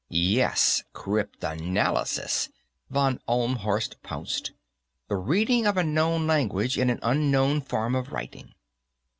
"Yes, cryptanalysis," von Ohlmhorst pounced. "The reading of a known language in an unknown form of writing.